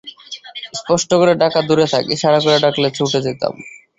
স্পষ্ট করে ডাকা দূরে থাক, ইশারা করে ডাকলে ছুটে যেতাম।